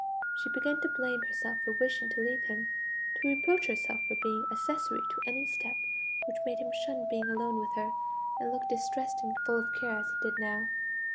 She began to blame herself for wishing to leave him, to reproach herself for being accessory to any step which made him shun being alone with her, and look distressed and full of care as he did now.